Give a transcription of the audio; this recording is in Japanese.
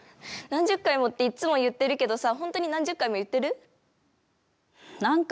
何十回もっていっつも言ってるけどさ何回も言ったって。